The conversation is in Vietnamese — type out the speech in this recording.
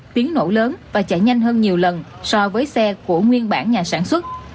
tiếng nổ lớn và chạy nhanh hơn nhiều lần so với xe của nguyên bản nhà sản xuất